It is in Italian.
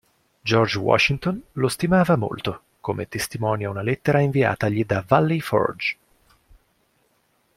George Washington lo stimava molto, come testimonia una lettera inviatagli da Valley Forge.